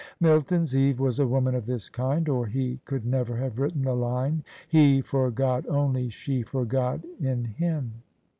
Milton's Eve was a woman of this kind, or he could never have written the line, " He for God only, she for God in him."